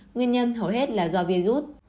nguyên nhân hầu hết là do virus